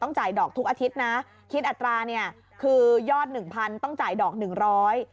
จ่ายดอกทุกอาทิตย์นะคิดอัตราเนี่ยคือยอดหนึ่งพันต้องจ่ายดอกหนึ่งร้อย